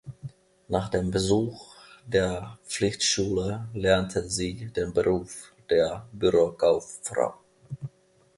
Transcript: Nach dem Besuch der Pflichtschule lernte sie den Beruf der Bürokauffrau.